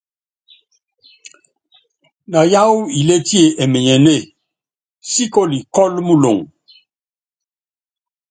Na yááwu ilétie imenyenée, síkoli kɔ́lɔ muloŋo.